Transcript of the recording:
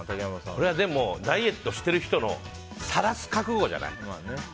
これはダイエットしてる人のさらす覚悟じゃない？